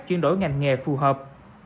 chuyển đổi ngành nghề phù hợp